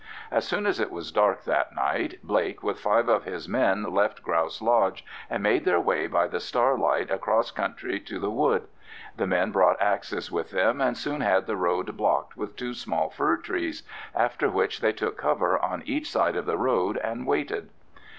As soon as it was dark that night, Blake with five of his men left Grouse Lodge, and made their way by the starlight across country to the wood. The men brought axes with them, and soon had the road blocked with two small fir trees, after which they took cover on each side of the road and waited.